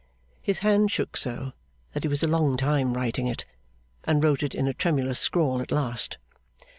His hand shook so that he was a long time writing it, and wrote it in a tremulous scrawl at last.